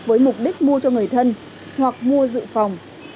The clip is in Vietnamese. với mục đích mua cho người thân hoặc mua dự phòng